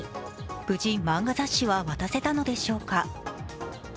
無事、漫画雑誌は渡せたのでしょうか。